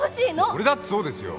俺だってそうですよ。